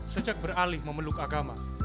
sejak beralih memeluk agama